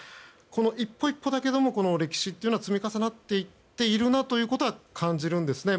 一歩一歩だけども歴史が積み重なっているなということを感じるんですね。